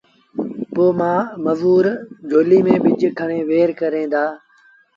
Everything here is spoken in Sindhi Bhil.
پو مزور جھولي ميݩ ٻج کڻي وهير ڪريݩ دآ